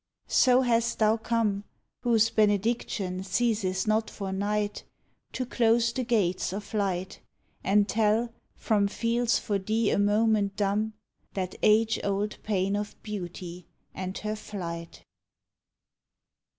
So hast thou come, Whose benediction ceases not for night, To close the gates of light, And tell, from fields for thee a moment dumb, That age old pain of Beauty and her flight.